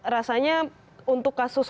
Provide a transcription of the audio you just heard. rasanya untuk kasus